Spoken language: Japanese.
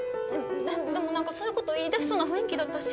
でも何かそういうこと言いだしそうな雰囲気だったし。